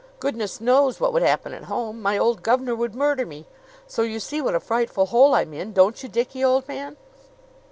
Goodness knows what would happen at home! My old gov'nor would murder me! So you see what a frightful hole I'm in, don't you, Dickie, old man?"